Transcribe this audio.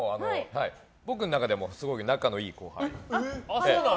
僕の中ではすごく仲のいい後輩。